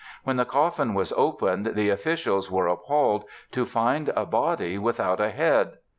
When the coffin was opened the officials were appalled to find a body without a head!